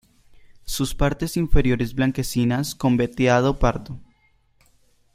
Sus partes inferiores blanquecinas con veteado pardo.